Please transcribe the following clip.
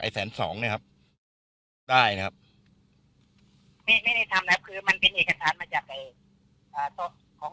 ไอ้แสนสองนะครับได้นะครับมันเป็นเอกสารมาจากไอ้ของ